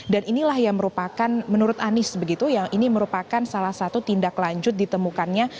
dan inilah yang merupakan menurut anies begitu yang ini merupakan salah satu tindak lanjut ditemukannya